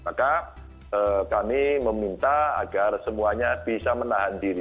maka kami meminta agar semuanya bisa menahan diri